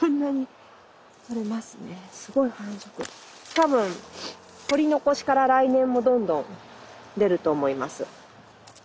多分採り残しから来年もどんどん出ると思います。